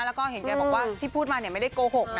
แล้วก็เห็นแกบอกว่าที่พูดมาไม่ได้โกหกนะ